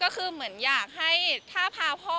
คือเหมือนอยากให้ถ้าพาพ่อแม่ไปค่ะ